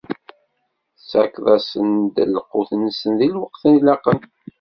Tettakeḍ-asen-d lqut-nsen di lweqt ilaqen.